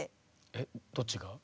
えっどっちが？